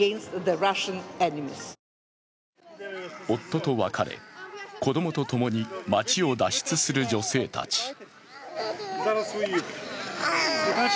夫と別れ、子供とともに街を脱出する女性たち。